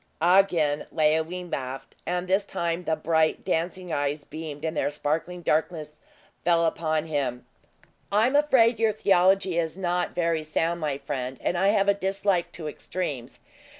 Again Leoline laughed; and this time the bright, dancing eyes beamed in their sparkling darkness full upon him. "I am afraid your theology is not very sound, my friend, and I have a dislike to extremes.